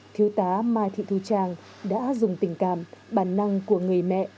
thiếu tá mai thị thu trang đã dùng tình cảm bản năng của người mẹ